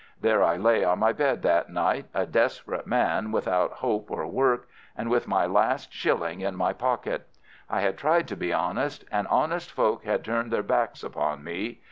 There I lay on my bed that night, a desperate man without hope or work, and with my last shilling in my pocket. I had tried to be honest, and honest folk had turned their backs upon me.